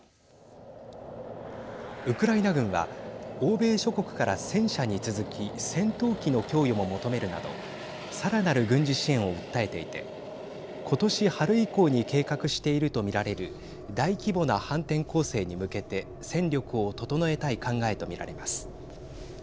ウクライナ軍は欧米諸国から戦車に続き戦闘機の供与も求めるなどさらなる軍事支援を訴えていて今年春以降に計画していると見られる大規模な反転攻勢に向けて戦力を整えたい考えと見られます。